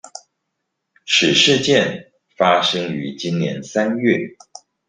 此事件發生於今年三月